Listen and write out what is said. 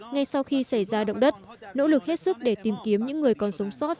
ngay sau khi xảy ra động đất nỗ lực hết sức để tìm kiếm những người còn sống sót